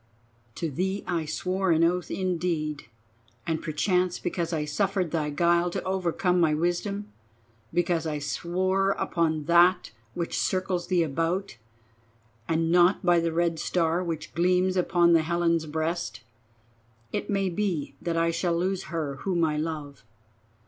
To thee I swore an oath indeed, and perchance because I suffered thy guile to overcome my wisdom, because I swore upon That which circles thee about, and not by the Red Star which gleams upon the Helen's breast, it may be that I shall lose her whom I love.